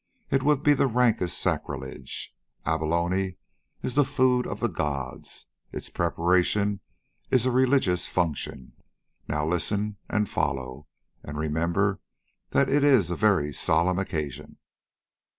It would be the rankest sacrilege. Abalone is the food of the gods. Its preparation is a religious function. Now listen, and follow, and remember that it is a very solemn occasion."